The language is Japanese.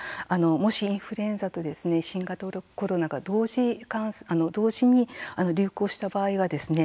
もし、インフルエンザと新型コロナが同時に流行した場合はですね